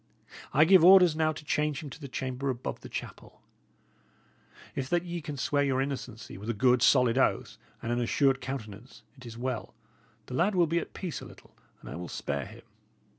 I give orders now to change him to the chamber above the chapel. If that ye can swear your innocency with a good, solid oath and an assured countenance, it is well; the lad will be at peace a little, and I will spare him.